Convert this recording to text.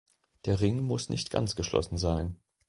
Der Ring muss nicht ganz geschlossen sein.